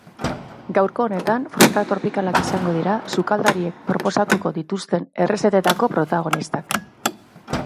Gaurko honetan, fruta tropikalak izango dira sukaldariek proposatuko dituzten errezetetako protagonistak.